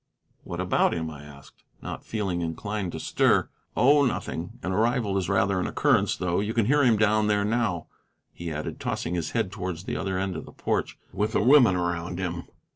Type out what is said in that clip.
"What about him?" I asked, not feeling inclined to stir. The Celebrity "Oh, nothing. An arrival is rather an occurrence, though. You can hear him down there now," he added, tossing his head towards the other end of the porch, "with the women around him."